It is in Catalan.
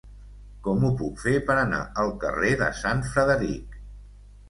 Com ho puc fer per anar al carrer de Sant Frederic?